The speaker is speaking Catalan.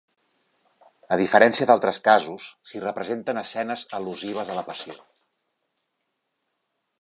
A diferència d'altres casos, s'hi representen escenes al·lusives a la Passió.